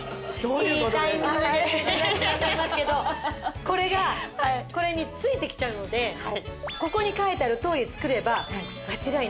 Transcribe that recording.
いいタイミングで宣伝なさいますけどこれがこれに付いてきちゃうのでここに書いてあるとおり作れば間違いないと。